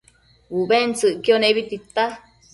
ubentsëcquio nebi tita